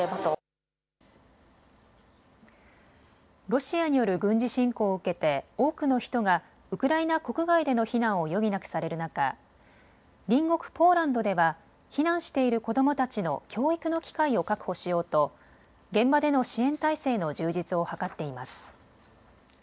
ロシアによる軍事侵攻を受けて多くの人がウクライナ国外での避難を余儀なくされる中、隣国ポーランドでは避難している子どもたちの教育の機会を確保しようと現場での支援体制の充実を図っています。